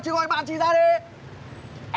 chị gọi bạn chị ra đây